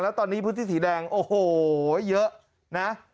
แล้วตอนนี้พื้นที่สีแดงโอ้โหเยอะนะ